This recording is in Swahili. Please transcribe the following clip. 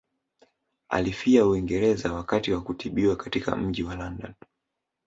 Alifia Uingereza wakati wa kutibiwa katika mji wa London